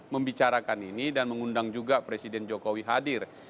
membicarakan ini dan mengundang juga presiden jokowi hadir